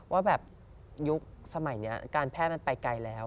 ว่าแบบยุคสมัยนี้การแพทย์มันไปไกลแล้ว